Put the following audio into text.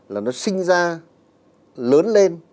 là nó sinh ra lớn lên